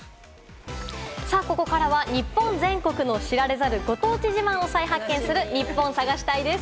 さあ、ここからは日本全国の知られざるご当地自慢を再発見する、ニッポン探し隊です。